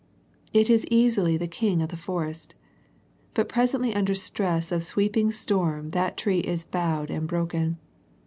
It is easily the king of the forest. But presently under stress of a sweeping storm that tree is bowed and broken.